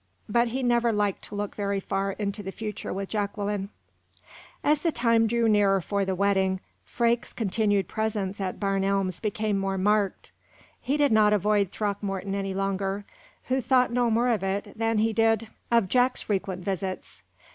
But he never liked to look very far into the future with Jacqueline. As the time drew nearer for the wedding, Freke's continued presence at Barn Elms became more marked. He did not avoid Throckmorton any longer, who thought no more of it than he did of Jack's frequent visits.